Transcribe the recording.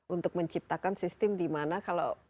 untuk menciptakan sistem dimana kalau